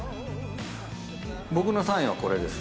僕のサインはこれです。